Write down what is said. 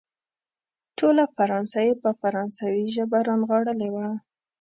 ټوله فرانسه يې په فرانسوي ژبه رانغاړلې وه.